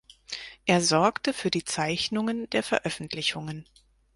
Er sorgte für die Zeichnungen der Veröffentlichungen.